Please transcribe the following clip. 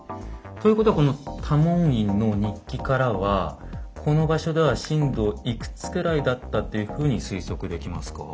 ということはこの「多門院」の日記からはこの場所では震度いくつくらいだったっていうふうに推測できますか？